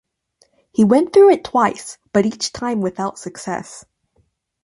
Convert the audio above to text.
He went through it twice, but each time without success.